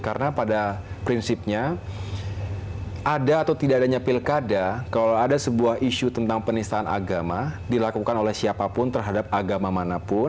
karena pada prinsipnya ada atau tidak adanya pilkada kalau ada sebuah isu tentang penistaan agama dilakukan oleh siapapun terhadap agama manapun